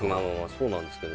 そうなんですけど。